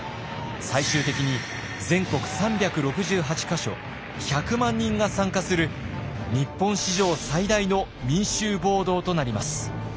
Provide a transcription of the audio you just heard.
最終的に全国３６８か所１００万人が参加する日本史上最大の民衆暴動となります。